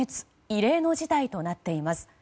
異例の事態となっています。